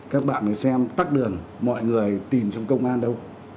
các bạn có xem tắc đường mọi người tìm trong công an đâu